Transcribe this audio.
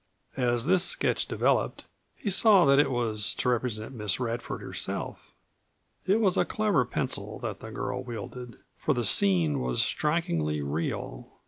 As this sketch developed he saw that it was to represent Miss Radford herself. It was a clever pencil that the girl wielded, for the scene was strikingly real.